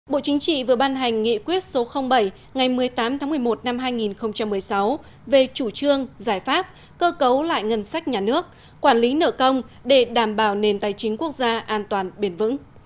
bộ chính trị vừa ban hành nghị quyết số bảy ngày một mươi tám tháng một mươi một năm hai nghìn một mươi sáu về chủ trương giải pháp cơ cấu lại ngân sách nhà nước quản lý nợ công để đảm bảo nền tài chính quốc gia an toàn bền vững